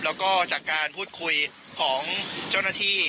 แล้วก็จากการพูดคุยของเจ้าหน้าที่